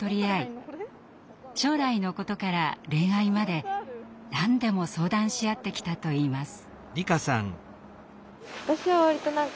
将来のことから恋愛まで何でも相談し合ってきたといいます。